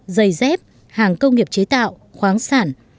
dây dép hàng công nghiệp chế tạo khoáng sản